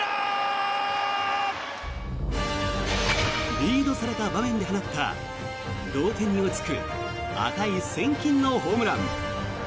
リードされた場面で放った同点に追いつく値千金のホームラン。